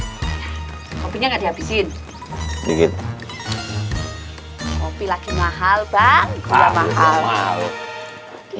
kopinya gak dihabisin